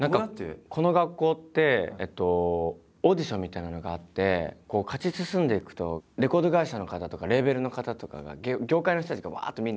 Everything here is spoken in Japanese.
この学校ってオーディションみたいなのがあって勝ち進んでいくとレコード会社の方とかレーベルの方とかが業界の人たちがわっと見にきて。